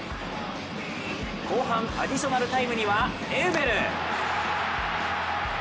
後半、アディショナルタイムにはエウベル。